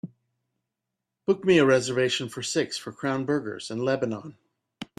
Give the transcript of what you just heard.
Book me a reservation for six for Crown Burgers in Lebanon